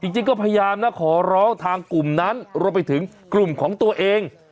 จริงก็พยายามนะขอร้องทางกลุ่มนั้นรวมไปถึงกลุ่มของตัวเอง